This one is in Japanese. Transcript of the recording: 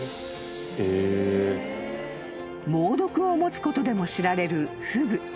［猛毒を持つことでも知られるフグ］